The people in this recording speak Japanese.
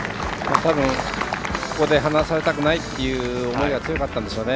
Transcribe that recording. たぶん、ここで離されたくないという思いが強かったんでしょうね。